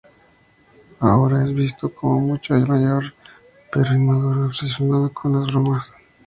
Ahora es visto como mucho mayor pero aún inmaduro y obsesionado con las bromas.